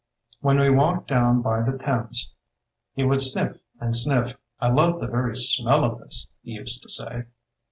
When we walked down by the Thames he would sniff and sniff — 'I love the very smell of this,' he used to say.